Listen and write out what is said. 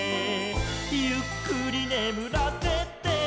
「ゆっくりねむらせて」